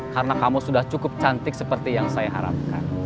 karena kamu sudah cukup cantik seperti yang saya harapkan